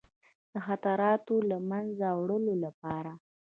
د خطراتو له منځه وړلو لپاره.